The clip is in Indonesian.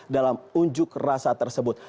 dalam unjuk rasa tersebut